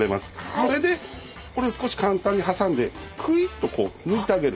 それでこれを少し簡単に挟んでくいっとこう抜いてあげる。